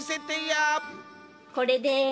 これです。